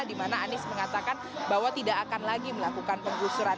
di mana anies mengatakan bahwa tidak akan lagi melakukan penggusuran